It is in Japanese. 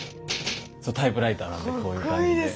そうタイプライターなんでこういう感じで。